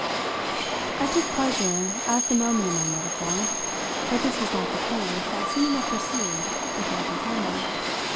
I took pleasure at the moment in my metaphor; but this was not the case, I soon enough perceived, with my companion.